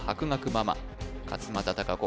ママ勝間田貴子